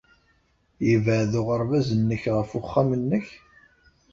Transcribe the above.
Yebɛed uɣerbaz-nnek ɣef uxxam-nnek?